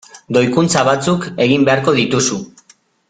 Doikuntza batzuk egin beharko dituzu.